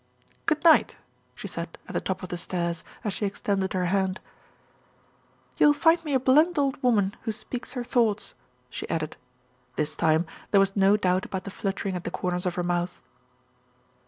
"Good night!" she said, at the top of the stairs, as she extended her hand. "You'll find me a blunt old woman, who speaks her thoughts," she added. This time there was no doubt about the fluttering at the cor ners of her mouth.